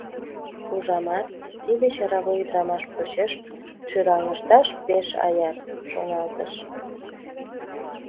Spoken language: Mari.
«Ужамат, тиде чаравуй ӱдрамаш почеш шӱраҥышташ пеш аяр, — шоналтыш.